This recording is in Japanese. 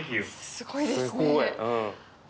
すごいですね。